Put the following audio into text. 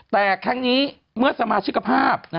แต่ครั้งนี้เมื่อสมาชิกภาพ